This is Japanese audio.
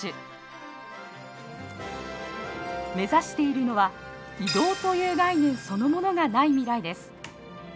目指しているのは移動という概念そのものがない未来です。